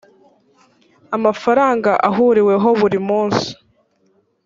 amafaranga ahuriweho buri munsi